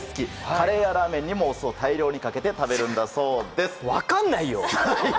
カレーやラーメンにもお酢を大量にかけて食べるそうです。